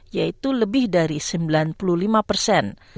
yaitu lebih dari sembilan puluh lima persen